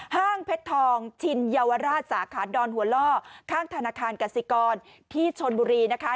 ห้างเพชรทองชินเยาวราชสาขาดอนหัวล่อข้างธนาคารกสิกรที่ชนบุรีนะคะ